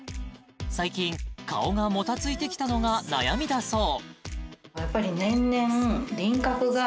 最近顔がもたついてきたのが悩みだそう